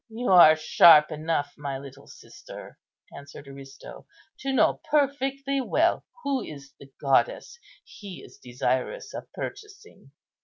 "You are sharp enough, my little sister," answered Aristo, "to know perfectly well who is the goddess he is desirous of purchasing."